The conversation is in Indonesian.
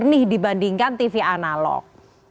ternih dibandingkan tv analog